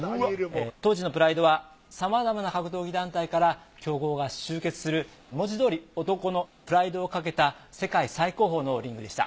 当時のプライドはさまざまな格闘技団体から強豪が集結する文字通り男のプライドをかけた世界最高峰のリングでした。